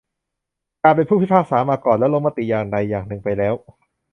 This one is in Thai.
การเป็นผู้พิพากษามาก่อนแล้วลงมติอย่างใดอย่างหนึ่งไปแล้ว